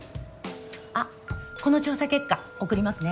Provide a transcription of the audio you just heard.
あっこの調査結果送りますね。